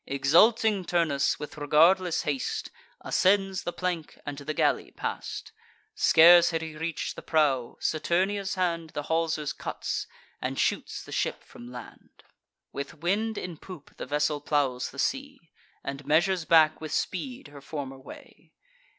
Exulting Turnus, with regardless haste, Ascends the plank, and to the galley pass'd. Scarce had he reach'd the prow: Saturnia's hand The haulsers cuts, and shoots the ship from land. With wind in poop, the vessel plows the sea, And measures back with speed her former way.